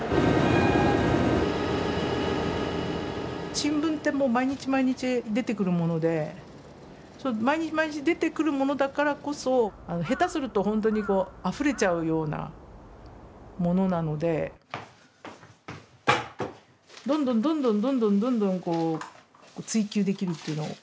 新聞ってもう毎日毎日、出てくるもので毎日毎日、出てくるものだからこそ下手するとあふれちゃうようなものなのでどんどん、どんどんどんどん、どんどんこう、追求できるっていうの。